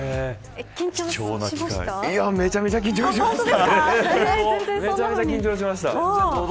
めちゃめちゃ緊張しました。